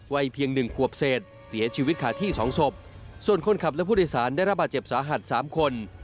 เพียงหนึ่งขวบเศษเสียชีวิตขาที่สองศพส่วนคนขับและผู้โดยสารได้ระบาดเจ็บสาหัสสามคน